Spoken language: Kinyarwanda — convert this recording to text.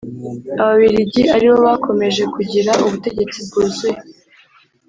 ababiligi ari bo bakomeje kugira ubutegetsi bwuzuye